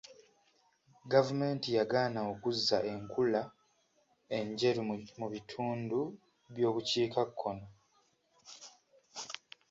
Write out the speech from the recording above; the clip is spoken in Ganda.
Gavumenti yagaana okuzza enkula enjeru mu bitundu by'obukiikakkono.